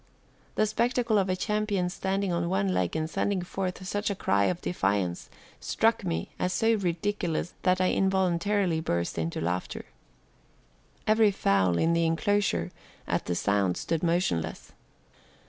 The spectacle of a champion standing on one leg and sending forth such a cry of defiance struck me as so ridiculous that I involuntarily burst into laughter. Every fowl in the inclosure at the sound stood motionless.